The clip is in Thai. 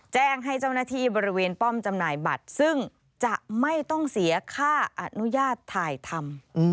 แจ้งให้เจ้าหน้าที่บริเวณป้อมจำหน่ายบัตรซึ่งจะไม่ต้องเสียค่าอนุญาตถ่ายทำ